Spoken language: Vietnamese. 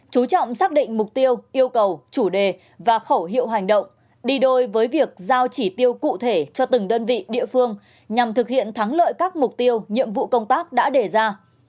chú trọng xác định mục tiêu yêu cầu chủ đề và khẩu hiệu hành động đi đôi với việc giao chỉ tiêu cụ thể cho từng đơn vị địa phương nhằm thực hiện thắng lợi các mục tiêu nhiệm vụ công tác đã đề ra